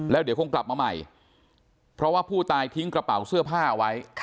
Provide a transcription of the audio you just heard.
แล้วเดี๋ยวคงกลับมาใหม่เพราะว่าผู้ตายทิ้งกระเป๋าเสื้อผ้าไว้